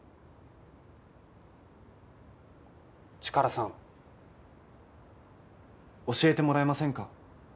チカラさん教えてもらえませんか？